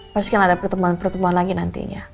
pasti kan ada pertemuan pertemuan lagi nantinya